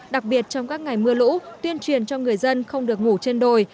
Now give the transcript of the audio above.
đặc biệt trong các ngày mưa lũ tuyên truyền cho người dân không được ngủ trên đồi